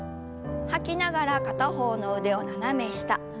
吐きながら片方の腕を斜め下。